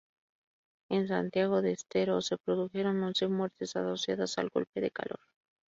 En Santiago del Estero, se produjeron once muertes asociadas al golpe de calor.